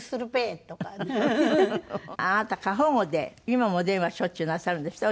あなた過保護で今もお電話しょっちゅうなさるんですって？